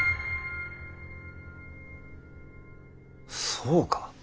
そうか。